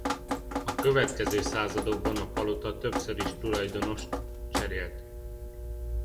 A következő századokban a palota többször is tulajdonost cserélt.